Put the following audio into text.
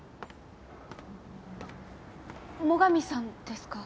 最上さんですか？